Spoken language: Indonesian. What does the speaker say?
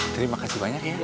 terima kasih banyak ya